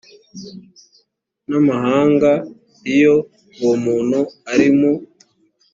n amahanga iyo uwo muntu ari mu